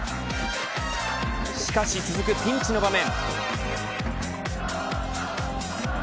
しかし続くピンチの場面。